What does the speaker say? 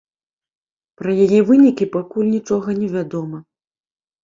Пра яе вынікі пакуль нічога невядома.